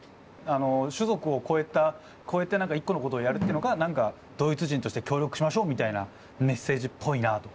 種族を超えて何か一個のことをやるってのがドイツ人として協力しましょうみたいなメッセージっぽいなあと。